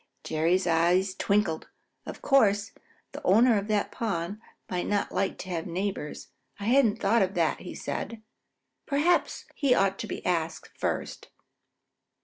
Jerry's eyes twinkled. "Of course, the owner of that pond might not like to have neighbors. I hadn't thought of that," said he. "Perhaps he ought to be asked first."